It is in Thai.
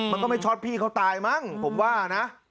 มันก็ไม่ช็อตพี่เขาตายมั้งผมว่านะ